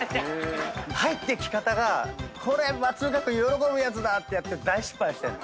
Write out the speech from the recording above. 入ってき方が「これ松岡君喜ぶやつだ」ってやって大失敗してんの。